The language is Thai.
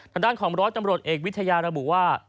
ทางด้านของร้อยตำรวจเอกวิทยาระบุว่า